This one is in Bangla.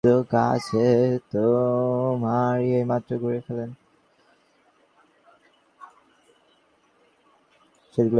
শেতলবাবু এই মাত্তর ঘুরে গেলেন।